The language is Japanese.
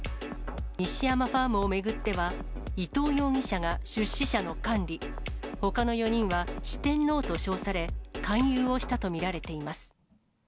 西山ファームを巡っては、伊藤容疑者が出資者の管理、ほかの４人は四天王と称され、勧誘をしたと見られています。